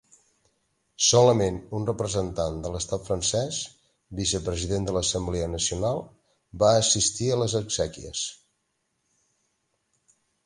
Solament un representant de l'estat francès, vicepresident de l'Assemblea nacional, va assistir a les exèquies.